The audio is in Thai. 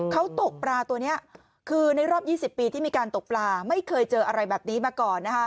เขาตกปลาตัวนี้คือในรอบ๒๐ปีที่มีการตกปลาไม่เคยเจออะไรแบบนี้มาก่อน